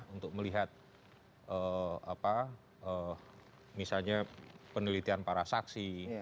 untuk melihat misalnya penelitian para saksi